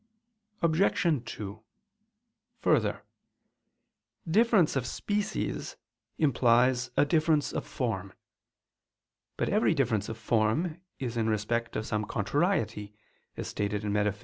Obj. 2: Further, difference of species implies a difference of form. But every difference of form is in respect of some contrariety, as stated in _Metaph.